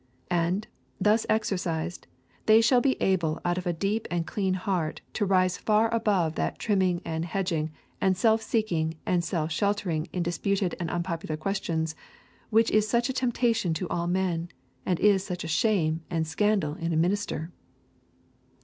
And, thus exercised, they shall be able out of a deep and clean heart to rise far above that trimming and hedging and self seeking and self sheltering in disputed and unpopular questions which is such a temptation to all men, and is such a shame and scandal in a minister.